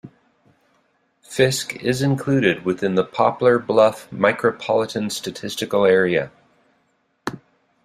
Fisk is included within the Poplar Bluff Micropolitan Statistical Area.